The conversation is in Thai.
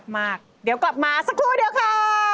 มาเดี๋ยวกลับมาสักครู่เดียวค่ะ